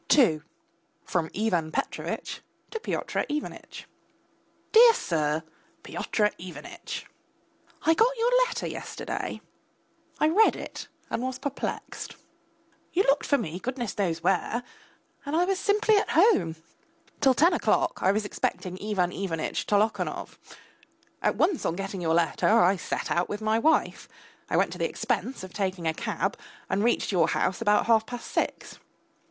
II (FROM IVAN PETROVITCH TO PYOTR IVANITCH) DEAR SIR, PYOTR IVANITCH! I got your letter yesterday, I read it and was perplexed. You looked for me, goodness knows where, and I was simply at home. Till ten o'clock I was expecting Ivan Ivanitch Tolokonov. At once on getting your letter I set out with my wife, I went to the expense of taking a cab, and reached your house about half past six.